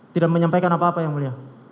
tidak menyampaikan apa apa yang mulia